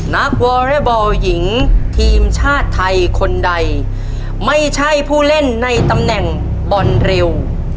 วอเรย์บอลหญิงทีมชาติไทยคนใดไม่ใช่ผู้เล่นในตำแหน่งบอลเร็ว